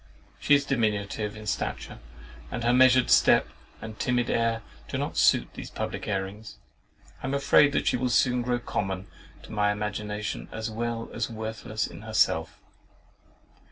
She is diminutive in stature, and her measured step and timid air do not suit these public airings. I am afraid she will soon grow common to my imagination, as well as worthless in herself.